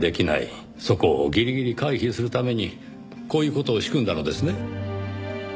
そこをギリギリ回避するためにこういう事を仕組んだのですね？